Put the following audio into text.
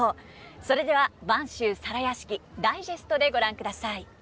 それでは「播州皿屋敷」ダイジェストでご覧ください。